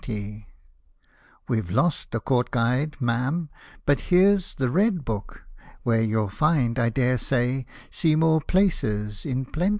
— u We've lost the Court Guide,, Ma'am, but here's the Red Book,, Where you'll find, I dare say, Seymour Places in plenty